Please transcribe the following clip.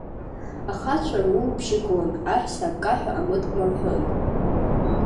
Ахацәа руубжьы гон, аҳәса аккаҳәа амыткәма рҳәон…